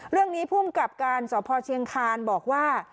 เรื่องนี้ภูมิกับการศพเชียงคารบอกว่า